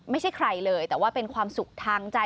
ไม่ใช่ใครเลยแต่ว่าเป็นความสุขทางใจ